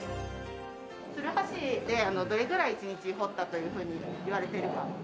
ツルハシでどれぐらい１日に掘ったというふうにいわれているか。